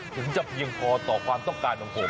ถึงจะเพียงพอต่อความต้องการของผม